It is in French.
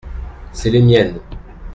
C’est les miennes.